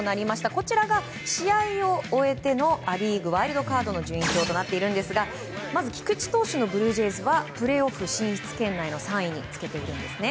こちらが試合を終えてのア・リーグワイルドカードの順位表となっているんですが菊池投手のブルージェイズはプレーオフ進出圏内の３位につけているんですね。